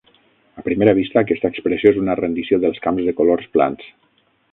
A primera vista, aquesta expressió és una rendició dels camps de colors plans.